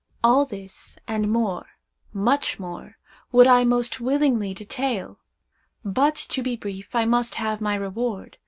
All this, and more—much more—would I most willingly detail. But, to be brief, I must have my reward.